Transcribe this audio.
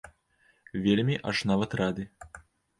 Вельмі аж нават рады.